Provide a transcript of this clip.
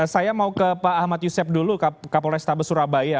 saya mau ke pak ahmad yusef dulu kapolrestabes surabaya